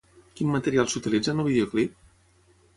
Quin material s'utilitza en el videoclip?